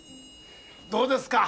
どうですか？